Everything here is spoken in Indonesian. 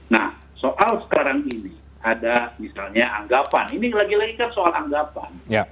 nah soal sekarang ini ada misalnya anggapan ini lagi lagi kan soal anggapan